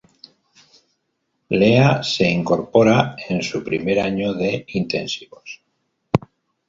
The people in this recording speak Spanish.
Lea se incorpora en su primer año de Intensivos.